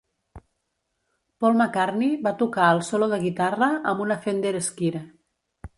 Paul McCartney va tocar el solo de guitarra amb una Fender Esquire.